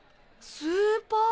スーパー。